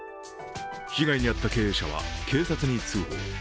被害に遭った経営者は警察に通報。